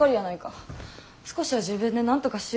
少しは自分でなんとかしよう思わんの？